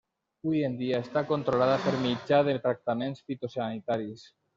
Hui en dia està controlada per mitjà de tractaments fitosanitaris.